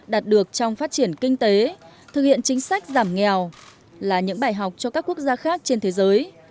đạt được trong phát triển kinh tế thực hiện chính sách giảm nghèo là những bài học cho các quốc gia khác trên thế giới